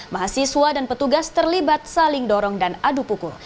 mahasiswa dan petugas terlibat saling dorong dan adu pukul